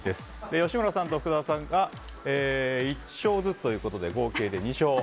吉村さんと深澤さんが１勝ずつということで合計で２勝。